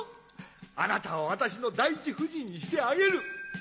あなたを私の第一夫人にしてあげる！